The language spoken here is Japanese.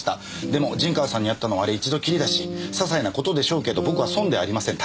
でも陣川さんに会ったのはあれ一度きりだし些細な事でしょうけど僕は「ソン」ではありません。